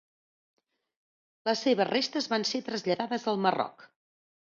Les seves restes van ser traslladades al Marroc.